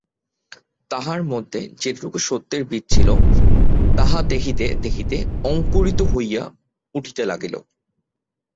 তাহার মধ্যে যেটুকু সত্যের বীজ ছিল, তাহা দেখিতে দেখিতে অঙ্কুরিত হইয়া উঠিতে লাগিল।